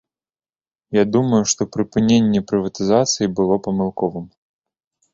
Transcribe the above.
Я думаю, што прыпыненне прыватызацыі было памылковым.